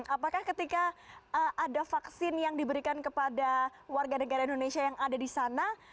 apakah ketika ada vaksin yang diberikan kepada warga negara indonesia yang ada di sana